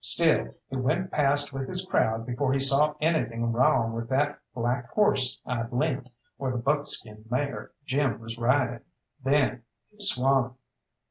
Still he went past with his crowd before he saw anything wrong with that black horse I'd lent, or the buckskin mare Jim was riding. Then he swung.